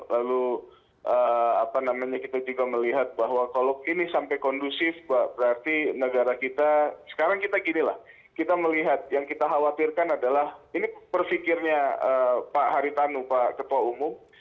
lalu apa namanya kita juga melihat bahwa kalau ini sampai kondusif berarti negara kita sekarang kita ginilah kita melihat yang kita khawatirkan adalah ini perfikirnya pak haritanu pak ketua umum